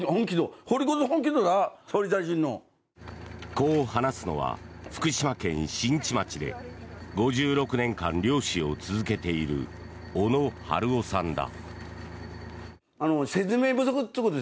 こう話すのは福島県新地町で５６年間漁師を続けている小野春雄さんだ。